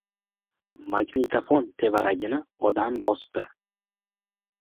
Magnitofon tevaragini odam bosdi.